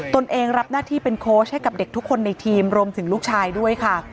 ตนเองรับหน้าที่เป็นโค้ชให้กับเด็กทุกคนในทีมรวมถึงลูกชายด้วยค่ะ